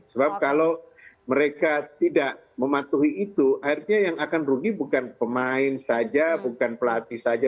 sebab kalau mereka tidak mematuhi itu akhirnya yang akan rugi bukan pemain saja bukan pelatih saja